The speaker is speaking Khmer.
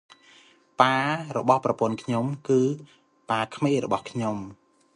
ប៉ារបស់ប្រពន្ធខ្ញុំ គឺប៉ាក្មេករបស់ខ្ញុំ។